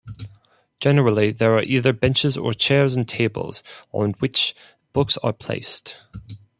Generally, there are either benches or chairs and tables, on which books are placed.